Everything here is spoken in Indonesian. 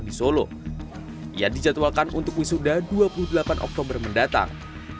di solo ia dijadwalkan untuk wisuda dua puluh delapan oktober mendatang